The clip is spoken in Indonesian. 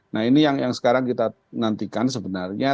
nah ini yang sekarang kita nantikan sebenarnya